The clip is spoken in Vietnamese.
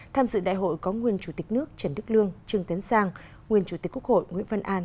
tham dự đại hội có nguyên chủ tịch nước trần đức lương trương tấn sang nguyên chủ tịch quốc hội nguyễn văn an